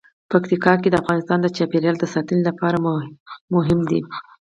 پکتیکا د افغانستان د چاپیریال ساتنې لپاره مهم دي.